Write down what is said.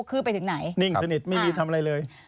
คือไปถึงไหนนิ่งสนิทไม่มีทำอะไรเลย